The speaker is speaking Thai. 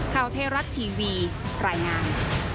ข้าวเทรัสทีวีรายงาน